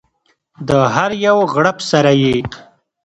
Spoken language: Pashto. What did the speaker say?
د هر یو غړپ سره یې